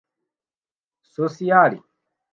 Social